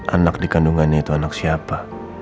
anak di kandungannya itu anak siapa